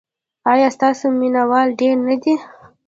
ایا ستاسو مینه وال ډیر نه دي؟